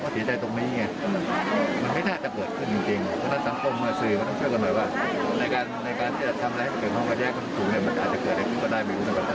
การแกรมก็ใช้ให้ดีสาวทงหัวไปแล้วค่ะ